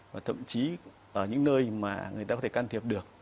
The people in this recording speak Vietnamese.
và thậm chí ở những nơi mà người ta có thể can thiệp được